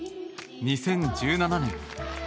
２０１７年。